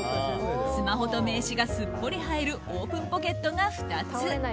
スマホと名刺がすっぽり入るオープンポケットが２つ。